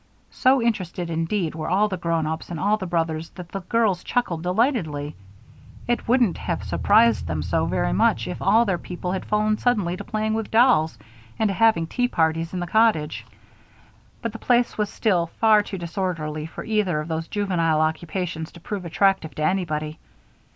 So interested, indeed, were all the grown ups and all the brothers that the girls chuckled delightedly. It wouldn't have surprised them so very much if all their people had fallen suddenly to playing with dolls and to having tea parties in the cottage; but the place was still far too disorderly for either of these juvenile occupations to prove attractive to anybody.